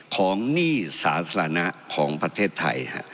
หนี้สาธารณะของประเทศไทย